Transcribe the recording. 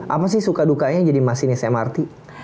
apa sih suka dukanya jadi masinis mrt